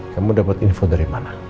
kamu dapat info dari mana